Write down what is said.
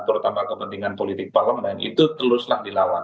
terutama kepentingan politik parlemen itu teruslah dilawan